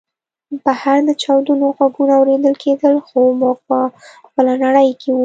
بهر د چاودنو غږونه اورېدل کېدل خو موږ په بله نړۍ کې وو